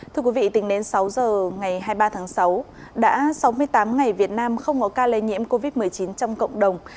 thưa quý vị tính đến sáu giờ ngày hai mươi ba tháng sáu đã sáu mươi tám ngày việt nam không có ca lây nhiễm covid một mươi chín trong cộng đồng